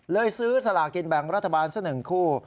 เลยซื้อสลากินแบงค์รัฐบาลซะหนึ่งคู่